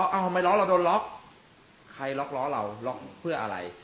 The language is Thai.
ทำไมล้อเราโดนล็อกใครล็อกล้อเราล็อกเพื่ออะไร